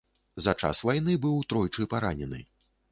За час вайны быў тройчы паранены.